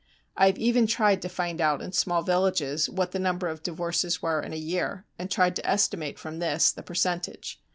I have even tried to find out in small villages what the number of divorces were in a year, and tried to estimate from this the percentage.